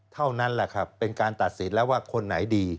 เท่านั้นแหละครับเป็นการตัดสินแล้วว่าคนไหนดี